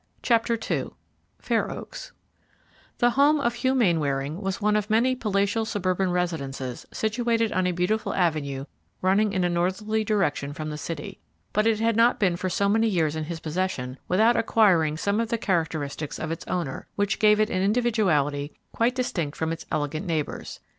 CHAPTER II FAIR OAKS The home of Hugh Mainwaring was one of many palatial suburban residences situated on a beautiful avenue running in a northerly direction from the city, but it had not been for so many years in his possession without acquiring some of the characteristics of its owner, which gave it an individuality quite distinct from its elegant neighbors.